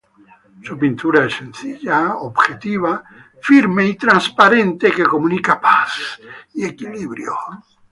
Su pintura es sencilla, objetiva, firme y transparente, que comunica paz y equilibrio.